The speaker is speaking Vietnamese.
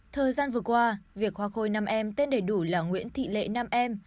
thời gian vừa qua việc hoa khôi năm em tên đầy đủ là nguyễn thị lệ nam em